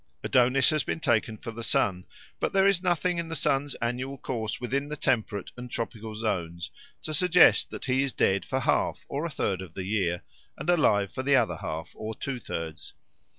Adonis has been taken for the sun; but there is nothing in the sun's annual course within the temperate and tropical zones to suggest that he is dead for half or a third of the year and alive for the other half or two thirds.